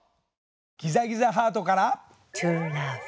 ギザギザハートから。